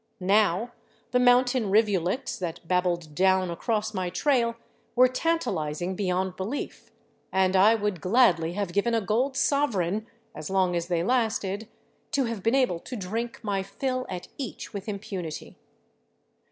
Now the mountain rivulets that babbled down across my trail were tantalizing beyond behef, and I would gladly have given a gold sovereign — as long as they lasted — to have been able to drink my fill at each with impunity.